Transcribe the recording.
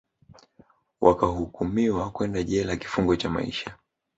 wakahukumiwa kwenda jela kifungo cha maisha